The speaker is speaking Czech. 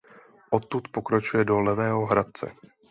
Odtud pokračuje do Levého Hradce.